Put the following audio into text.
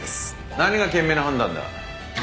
何が賢明な判断だ。